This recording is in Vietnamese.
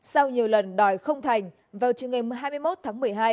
sau nhiều lần đòi không thành vào trường ngày hai mươi một tháng một mươi hai